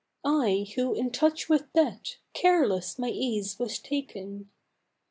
I who, in touch with death, careless my ease was taking!"